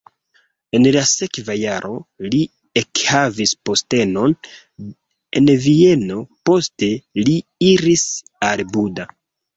En la sekva jaro li ekhavis postenon en Vieno, poste li iris al Buda.